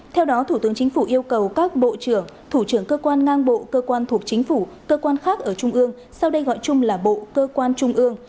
theo đó thủ tướng chính phủ yêu cầu các bộ trưởng thủ trưởng cơ quan ngang bộ cơ quan thuộc chính phủ cơ quan khác ở trung ương sau đây gọi chung là bộ cơ quan trung ương